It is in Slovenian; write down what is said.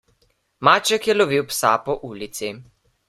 Maček je lovil psa po ulici.